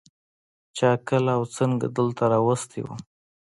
چا کله او څنگه دلته راوستى وم.